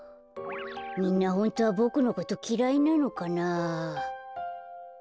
みんなホントはボクのこときらいなのかな。